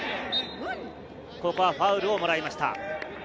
ファウルをもらいました。